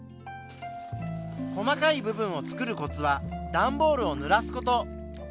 細かい部分をつくるコツはだんボールをぬらす事。